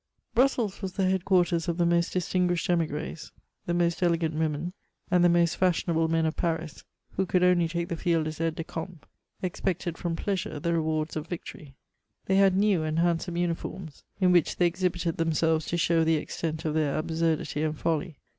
Brussels was the head quarters of the most distinguished eimgres ; the most elegant women, and the most fashional^ men of Paris, who could only take the field as aides de camp, expected from pleasure the rewards of victory. They had new and handsome uni£nrms, in which they exhibited themselres to show the extent of their absurdity ana folly.